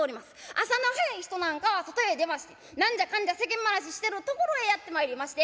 朝の早い人なんかは外へ出まして何じゃかんじゃ世間話してるところへやって参りまして。